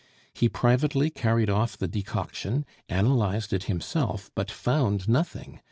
He privately carried off the decoction, analyzed it himself, but found nothing.